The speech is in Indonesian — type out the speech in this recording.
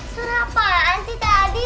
suara apaan sih tadi